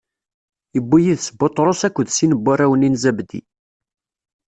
Iwwi yid-s Buṭrus akked sin n warraw-nni n Zabdi.